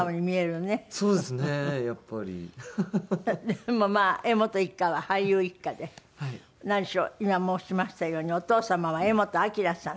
でもまあ柄本一家は俳優一家で何しろ今申しましたようにお父様は柄本明さん。